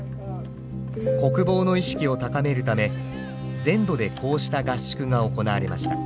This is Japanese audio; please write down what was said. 国防の意識を高めるため全土でこうした合宿が行われました。